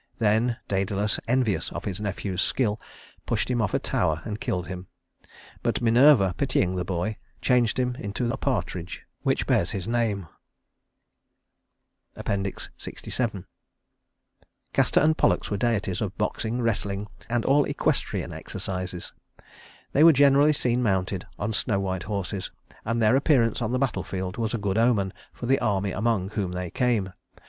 Then Dædalus, envious of his nephew's skill, pushed him off a tower and killed him; but Minerva, pitying the boy, changed him into a partridge, which bears his name. LXVII Castor and Pollux were deities of boxing, wrestling, and all equestrian exercises. They were generally seen mounted on snow white horses, and their appearance on the battle field was a good omen for the army among whom they came.